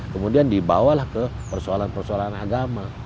kemudian dibawalah ke persoalan persoalan agama